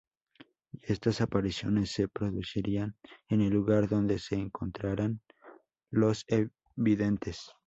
Y estas apariciones se producirían en el lugar donde se encontraran los videntes.